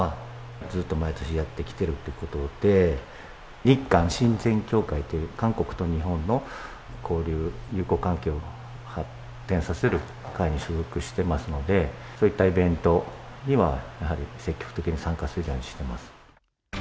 ずっと毎年、やってきてるってことで、日韓親善協会という、韓国と日本の交流、友好関係を発展させる会に所属してますので、そういったイベントにはやはり積極的に参加するようにしています。